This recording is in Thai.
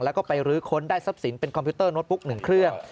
แล้วก็ไปรื้อค้นได้ทรัพย์สินเป็นคอมพิวเตอร์โน้ตบุ๊ก๑เครื่อง